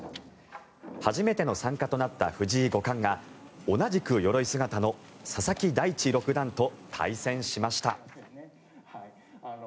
初めての参加となった藤井五冠が同じくよろい姿の佐々木大地六段と対戦しました。